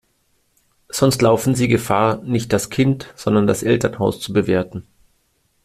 Sonst laufen sie Gefahr, nicht das Kind, sondern das Elternhaus zu bewerten.